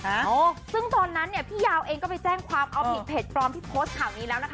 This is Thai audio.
โอ้โหซึ่งตอนนั้นเนี่ยพี่ยาวเองก็ไปแจ้งความเอาผิดเพจปลอมที่โพสต์ข่าวนี้แล้วนะคะ